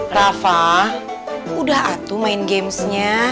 rafa udah atu main gamesnya